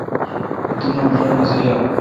اتوما باڑ مزہ یال۔